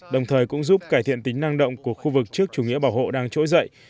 đồng thời cũng giúp cải thiện tính năng động của khu vực trước chủ nghĩa bảo hộ đang trỗi dậy